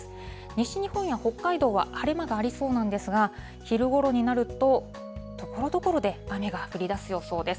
西日本や北海道は晴れ間がありそうなんですが、昼ごろになると、ところどころで雨が降りだす予想です。